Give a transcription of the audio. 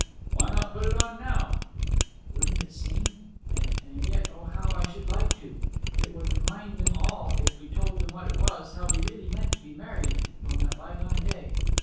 'Why not put it on now?' 'Wouldn't it seem . And yet, O how I should like to! It would remind them all, if we told them what it was, how we really meant to be married on that bygone day!'